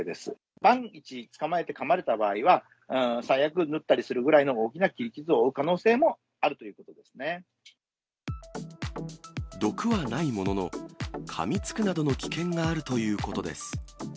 万一捕まえてかまれた場合は、最悪、縫ったりするぐらいの大きな切り傷を負う可能性もあるということ毒はないものの、かみつくなどの危険があるということです。